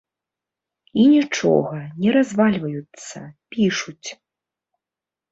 І нічога, не развальваюцца, пішуць.